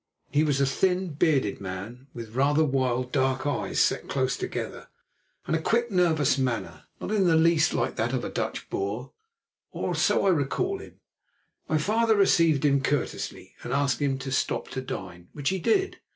He was a thin, bearded man with rather wild, dark eyes set close together, and a quick nervous manner, not in the least like that of a Dutch Boer—or so I recall him. My father received him courteously and asked him to stop to dine, which he did.